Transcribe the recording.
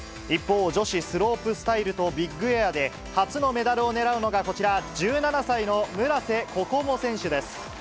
一方、女子スロープスタイルとビッグエアで、初のメダルを狙うのがこちら、１７歳の村瀬心椛選手です。